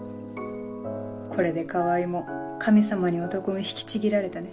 これで川合も神様に男運引きちぎられたね。